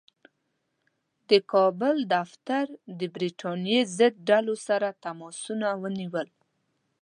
د کابل دفتر د برټانیې ضد ډلو سره تماسونه ونیول.